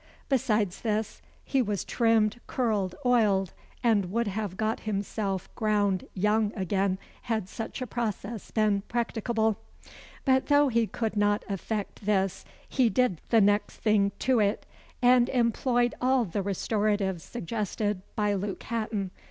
Besides this, he was trimmed, curled, oiled, and would have got himself ground young again, had such a process been practicable. But though he could not effect this, he did the next thing to it, and employed all the restoratives suggested by Luke Hatton.